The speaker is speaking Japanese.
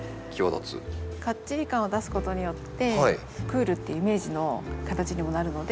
かっちり感を出すことによってクールっていうイメージの形にもなるので。